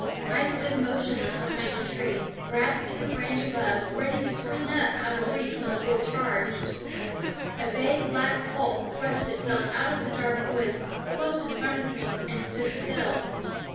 I stood motionless behind a tree, grasp ing a branch above, ready to swing up out of reach when the bull charged. A vague black hulk thrust itself out of the dark woods, close in front of me, and stood still.